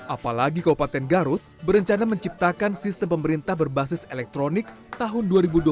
apalagi kabupaten garut berencana menciptakan sistem pemerintah berbasis elektronik tahun dua ribu dua puluh satu